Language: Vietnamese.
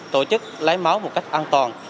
tổ chức lái máu một cách an toàn